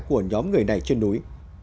của nhóm người này trên núi